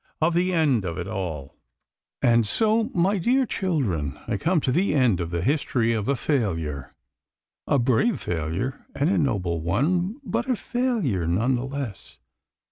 Of the End of it All And so, my dear children, I come to the end of the history of a failure a brave failure and a noble one, but a failure none the less.